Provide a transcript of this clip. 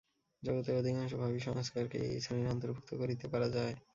জগতের অধিকাংশ ভাবী সংস্কারককেই এই শ্রেণীর অন্তর্ভুক্ত করিতে পারা যায়।